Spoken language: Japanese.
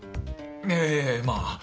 ええまあ。